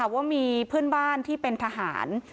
ว่ามีเพื่อนบ้านที่เป็นทหาร